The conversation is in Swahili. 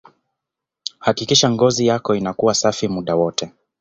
hakikisha ngozi yako inakuwa safi muda wote